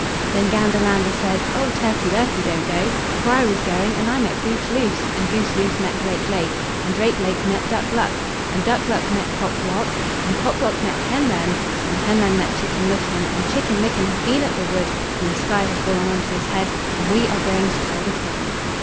Then Gander lander said: "Oh! Turkey lurkey, don't go, for I was going, and I met Goose loose, and Goose loose met Drake lake, and Drake lake met Duck luck, and Duck luck met Cock lock, and Cock lock met Hen len, and Hen len met Chicken licken, and Chicken licken had been at the wood, and the sky had fallen on to his head, and we are going to tell the King."